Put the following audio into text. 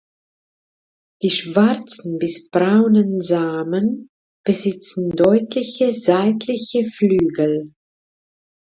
Die schwarzen bis braunen Samen besitzen deutliche seitliche Flügel.